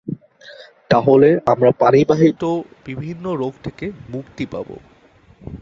তাহলে আমরা পানি বাহিত বিভিন্ন রোগ হতে মুক্তি পাব।